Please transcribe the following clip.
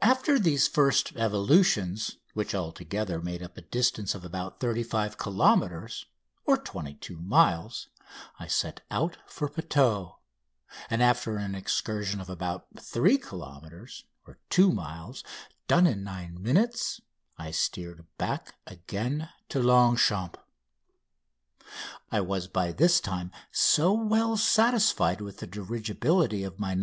After these first evolutions, which altogether made up a distance of about 35 kilometres (22 miles), I set out for Puteaux, and after an excursion of about 3 kilometres (2 miles), done in nine minutes, I steered back again to Longchamps. I was by this time so well satisfied with the dirigibility of my "No.